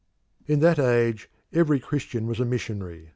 In that age every Christian was a missionary.